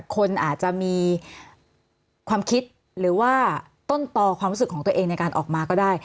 คนอาจจะมีความคิดหรือว่าต้นต่อความรู้สึกของตัวเองในการออกมาก็ได้